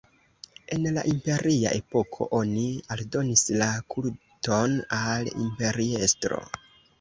En la imperia epoko oni aldonis la kulton al imperiestro.